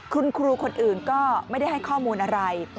คุณครูคนอื่นก็ไม่ได้ให้ข้อมูลอะไร